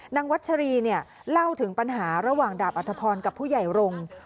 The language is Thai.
วัชรีเนี่ยเล่าถึงปัญหาระหว่างดาบอัธพรกับผู้ใหญ่รงค์